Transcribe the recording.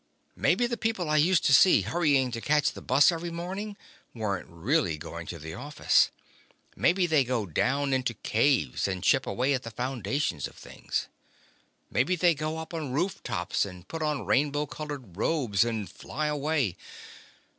Maybe the people I used to see hurrying to catch the bus every morning weren't really going to the office. Maybe they go down into caves and chip away at the foundations of things. Maybe they go up on rooftops and put on rainbow colored robes and fly away.